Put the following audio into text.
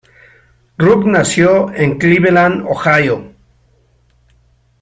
Ruck nació en Cleveland, Ohio.